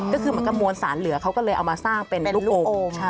ก็คือเหมือนกับมวลสารเหลือเขาก็เลยเอามาสร้างเป็นลูกโอ่ง